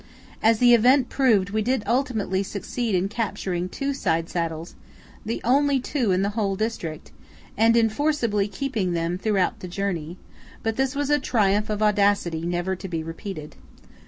As the event proved, we did ultimately succeed in capturing two side saddles (the only two in the whole district), and in forcibly keeping them throughout the journey; but this was a triumph of audacity, never to be repeated.